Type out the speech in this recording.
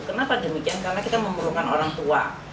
kenapa demikian karena kita memerlukan orang tua